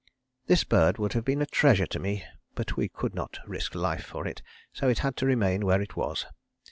This bird would have been a treasure to me, but we could not risk life for it, so it had to remain where it was.